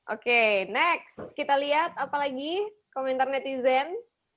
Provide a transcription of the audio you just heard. oke next kita lihat apa lagi komentar netizen